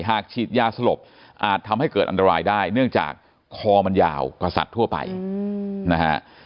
ฉีดยาสลบอาจทำให้เกิดอันตรายได้เนื่องจากคอมันยาวกว่าสัตว์ทั่วไปนะฮะ